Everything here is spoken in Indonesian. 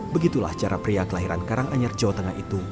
begitulah cara pria kelahiran karanganyar jawa tengah itu